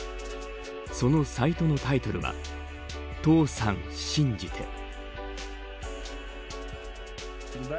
そのサイトのタイトルは父さん、信じて。